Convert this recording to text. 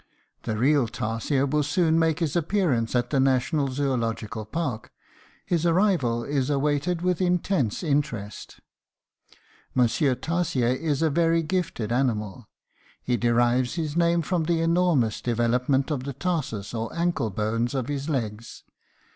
A real tarsier will soon make his appearance at the national zoological park. His arrival is awaited with intense interest. Monsieur Tarsier is a very gifted animal. He derives his name from the enormous development of the tarsus, or ankle bones of his legs.